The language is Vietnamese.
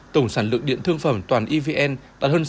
tổng sản lượng điện thương phẩm toàn evn tăng hơn sáu mươi hai tỷ kwh